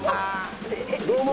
どうも。